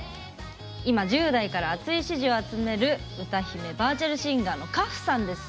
今、１０代から熱い支持を集める歌姫バーチャルシンガーの花譜さんです。